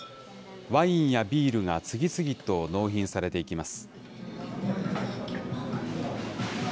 ワインやビールが次々と納品されていきます。